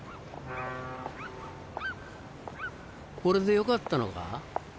これでよかったのか？